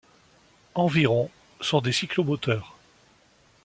Environ sont des cyclomoteurs.